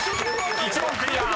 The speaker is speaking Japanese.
１問クリア！